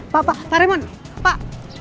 pak pak pak remon pak